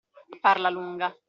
Farla lunga.